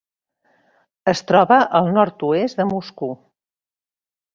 Es troba al nord-oest de Moscou.